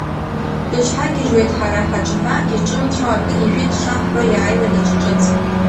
Дыҽҳәагьежьуеит ҳара ҳаҽҳәа, иҿымцәо, акы ажәит шаҳҳәо, иааиуеит даҽа ҿыц.